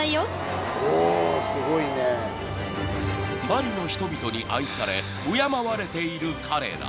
［バリの人々に愛され敬われている彼ら］